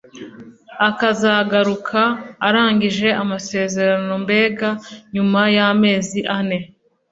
akazagaruka arangije amasezerano mbega nyuma y’amezi ane